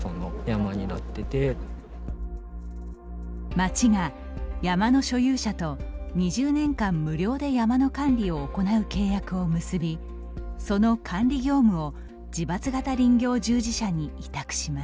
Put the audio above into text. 町が、山の所有者と２０年間無料で山の管理を行う契約を結びその管理業務を自伐型林業従事者に委託します。